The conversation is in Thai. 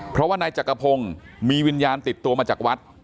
เพราะว่านายจักรพงศ์มีวิญญาณติดตัวมาจากวัด